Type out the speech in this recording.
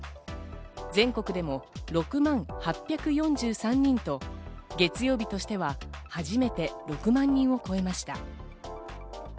全国でも６万８４３人と、月曜日としては初めて６万人を超えました。